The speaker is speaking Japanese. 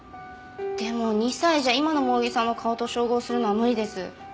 でも２歳じゃ今の萌衣さんの顔と照合するのは無理です。